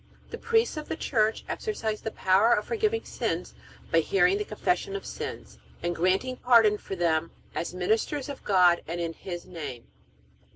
The priests of the Church exercise the power of forgiving sins by hearing the confession of sins, and granting pardon for them as ministers of God and in His name.